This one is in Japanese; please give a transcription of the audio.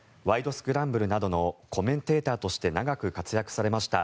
スクランブル」などのコメンテーターとして長く活躍されました